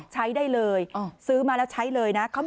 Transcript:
ใช้ได้เลยซื้อมาแล้วใช้เลยนะ